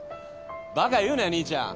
バカ言うなよ兄ちゃん。